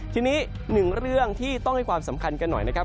ทีนี้หนึ่งเรื่องที่ต้องให้ความสำคัญกันหน่อยนะครับ